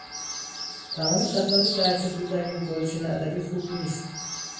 تمام قطعات درج شده در این گلچین ادبی خوب نیست.